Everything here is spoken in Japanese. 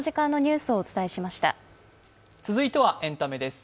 続いてはエンタメです。